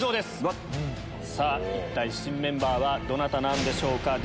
一体新メンバーはどなたなんでしょうか。